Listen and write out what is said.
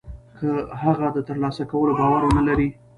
که هغه د تر لاسه کولو باور و نه لري.